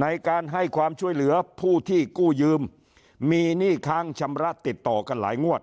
ในการให้ความช่วยเหลือผู้ที่กู้ยืมมีหนี้ค้างชำระติดต่อกันหลายงวด